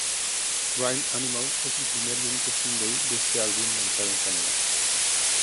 Rhyme Animal es el primer y único single de este álbum, lanzado en Canadá.